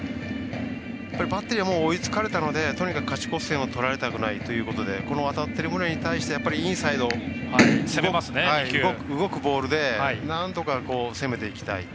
バッテリーは追いつかれたのでとにかく勝ち越し点を取られたくないっていうことでこの当たっている宗に対してインサイド、動くボールでなんとか、攻めていきたい。